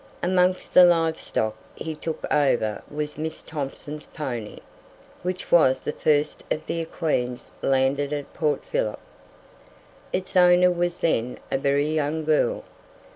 Amongst the live stock he took over was Miss Thomson's pony, which was the first of the equines landed at Port Phillip. Its owner was then a very young girl.